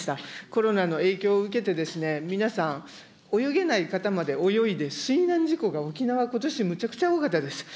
コロナの影響を受けて、皆さん、泳げない方まで泳いで水難事故が沖縄、ことし、むちゃくちゃ多かったです。